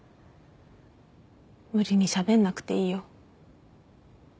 無理にしゃべんなくていいよ。